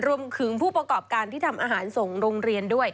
ผู้ประกอบการที่ทำอาหารส่งโรงเรียนด้วย